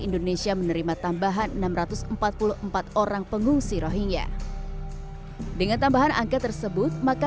indonesia menerima tambahan enam ratus empat puluh empat orang pengungsi rohingya dengan tambahan angka tersebut maka